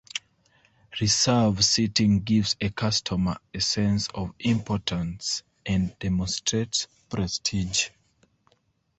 Reserve seating gives a customer a sense of importance and demonstrates prestige.